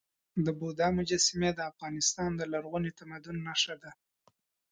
د بودا مجسمې د افغانستان د لرغوني تمدن نښه ده.